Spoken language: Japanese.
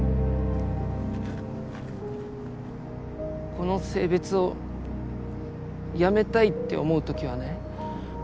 この性別をやめたいって思う時はね